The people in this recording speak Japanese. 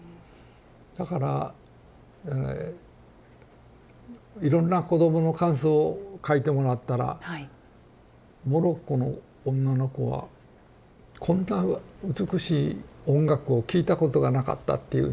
だからいろんな子どもの感想を書いてもらったらモロッコの女の子は「こんな美しい音楽を聴いたことがなかった」って言うんですよ